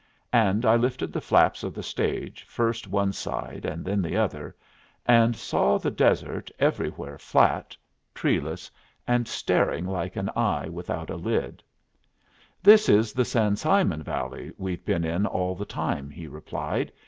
And I lifted the flaps of the stage, first one side and then the other, and saw the desert everywhere flat, treeless, and staring like an eye without a lid. "This is the San Simon Valley we've been in all the time," he replied.